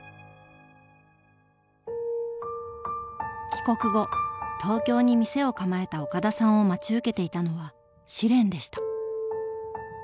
帰国後東京に店を構えた岡田さんを待ち受けていたのは試練でした。